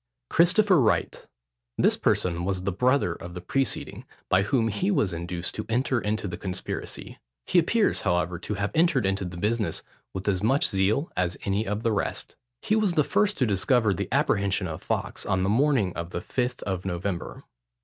CHRISTOPHER WRIGHT. This person was the brother of the preceding, by whom he was induced to enter into the conspiracy. He appears, however, to have entered into the business with as much zeal as any of the rest. He was the first to discover the apprehension of Fawkes, on the morning of the Fifth of November.